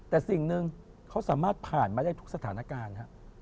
แต่สิ่งหนึ่งเขาสามารถผ่านมาได้ทุกสถานการณ์